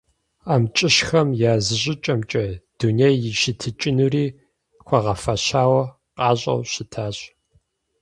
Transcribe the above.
АмкӀыщхэм я зыщӀыкӀэмкӀэ, дунейм и щытыкӀэнури хуэгъэфэщауэ къащӀэу щытащ.